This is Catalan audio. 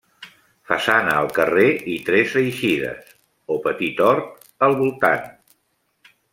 Façana al carrer i tres eixides, o petit hort, al voltant.